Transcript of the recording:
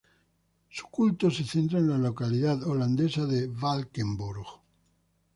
Su culto se centra en la localidad holandesa de Valkenburg.